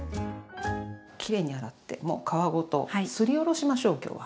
きれいに洗ってもう皮ごとすりおろしましょう今日は。